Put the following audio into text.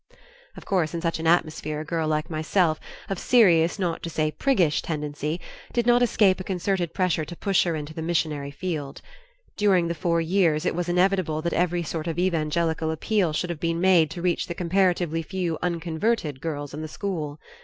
Of course in such an atmosphere a girl like myself, of serious not to say priggish tendency, did not escape a concerted pressure to push her into the "missionary field." During the four years it was inevitable that every sort of evangelical appeal should have been made to reach the comparatively few "unconverted" girls in the school.